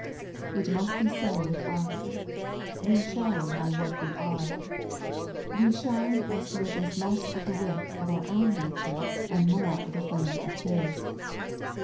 It must be so with us; we shine by what we are. We shine as there is less of the wick of ottr own nature, and more of the flame of ffis.